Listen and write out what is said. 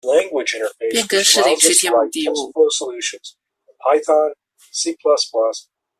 變更士林區天母地目